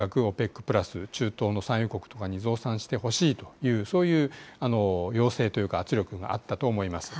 それで、ヨーロッパ側もですね、とにかくＯＰＥＣプラス、中東の産油国とかに増産してほしいという、そういう要請というか、圧力があったと思います。